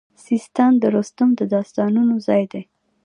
سیستان د رستم د داستانونو ځای دی